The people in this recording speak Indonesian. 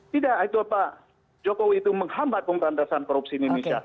tidak itu pak jokowi itu menghambat pemberantasan korupsi di indonesia